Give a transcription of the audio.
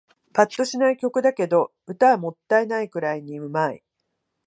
ぱっとしない曲だけど、歌はもったいないくらいに上手い